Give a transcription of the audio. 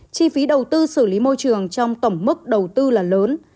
chi phí đầu tư xử lý môi trường trong tổng mức đầu tư là lớn